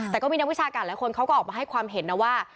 แต่ก็มีนักวิชาการหลายคนเขาก็ออกมาให้ความเห็นนะว่า